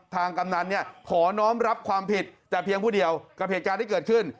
กำนันเนี่ยขอน้องรับความผิดแต่เพียงผู้เดียวกับเหตุการณ์ที่เกิดขึ้น